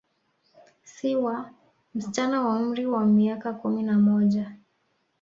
Siwa, msichana wa umri wa miaka kumi na moja.